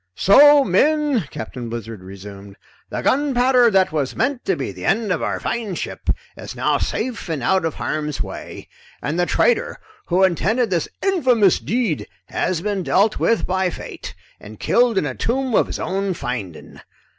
"So, men," Captain Blizzard resumed, "the gunpowder that was meant to be the end of our fine ship is now safe and out of harm's way, and the traitor who intended this infamous deed has been dealt with by fate and killed in a tomb of his own finding.